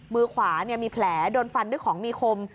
มือขวามีแผลโดนฟันด้วยของมีคม